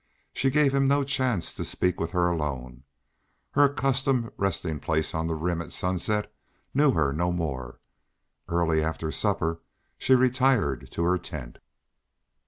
She gave him no chance to speak with her alone; her accustomed resting place on the rim at sunset knew her no more; early after supper she retired to her tent.